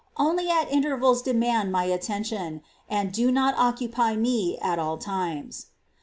— only at intervals demand my attention, and do not occupy me at all times.